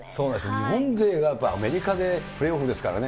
日本勢がアメリカでプレーオフですからね。